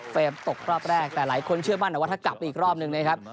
ตกรอบแรกแต่หลายคนเชื่อมั่นว่าถ้ากลับมาอีกรอบหนึ่งนะครับ